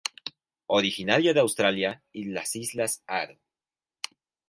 Originaria de Australia y las islas Aru.